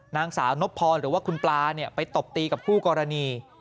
นางสาวนบพรหรือว่าคุณปลาไปตบตีกับคู่กรณี